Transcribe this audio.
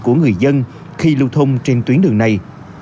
của người dân khi lưu thông trên tuyến đường này